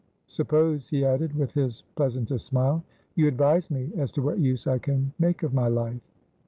Suppose," he added, with his pleasantest smile, "you advise me as to what use I can make of my life."